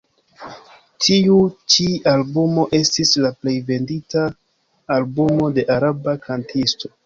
Tiu ĉi albumo estis la plej vendita albumo de araba kantisto.